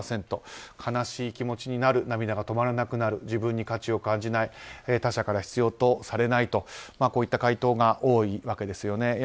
悲しい気持ちになる涙が止まらなくなる自分に価値を感じない他者から必要とされないといったこういった回答が多いわけですよね。